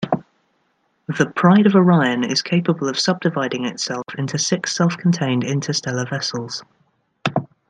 The "Pride of Orion" is capable of subdividing itself into six self-contained interstellar vessels.